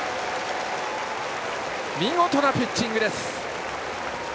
見事なピッチングです。